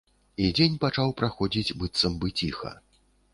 І дзень пачаў праходзіць быццам бы ціха.